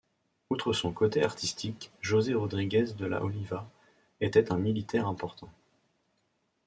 Outre son côté artistique, José Rodríguez de la Oliva était un militaire important.